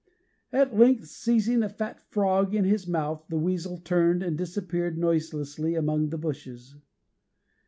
At length, seizing a fat frog in his mouth, the weasel turned and disappeared noiselessly among the bushes.